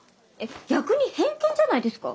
逆に偏見じゃないですか？